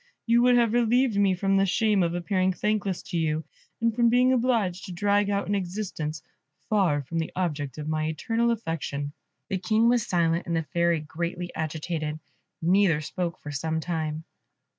You would have relieved me from the shame of appearing thankless to you, and from being obliged to drag out an existence far from the object of my eternal affection." The King was silent, and the Fairy greatly agitated; neither spoke for some time.